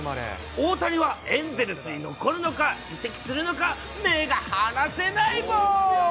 大谷はエンゼルスに残るのか移籍するのか、目が離せない。